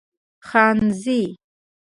خانزۍ